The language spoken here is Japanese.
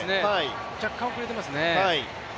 若干遅れてますね。